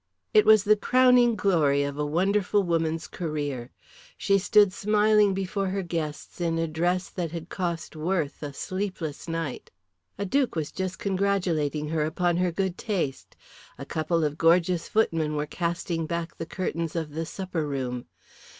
It was the crowning glory of a wonderful woman's career. She stood smiling before her guests in a dress that had cost Worth a sleepless night. A duke was just congratulating her upon her good taste. A couple of gorgeous footmen were casting back the curtains of the supper room.